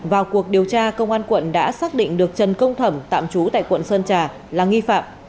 vào cuộc điều tra công an quận đã xác định được trần công thẩm tạm trú tại quận sơn trà là nghi phạm